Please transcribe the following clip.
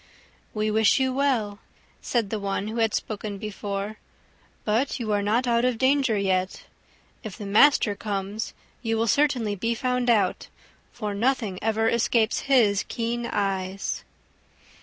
"We wish you well," said the one who had spoken before, "but you are not out of danger yet. If the master comes, you will certainly be found out, for nothing ever escapes his keen eyes."